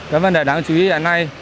cái vấn đề đáng chú ý hôm nay